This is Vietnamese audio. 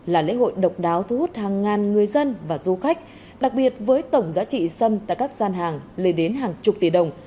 là lễ hội độc đáo thu hút hàng ngàn người dân và du khách đặc biệt với tổng giá trị sâm tại các gian hàng lên đến hàng chục tỷ đồng